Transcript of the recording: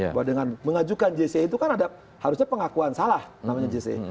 bahwa dengan mengajukan jc itu kan ada harusnya pengakuan salah namanya jc